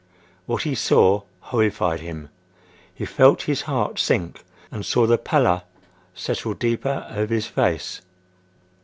What he saw horrified him. He felt his heart sink and saw the pallor settle deeper over his face.